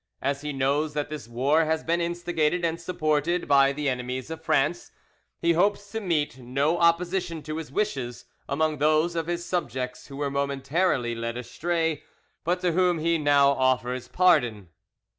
As he knows that this war has been instigated and supported by the enemies of France, he hopes to meet no opposition to his wishes among those of his subjects who were momentarily led astray, but to whom he now offers pardon."